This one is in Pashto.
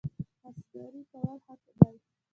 خاکساري کول ښه دي